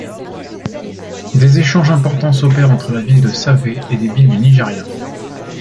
Des échanges importants s'opèrent entre la ville de Savè et des villes du Nigéria.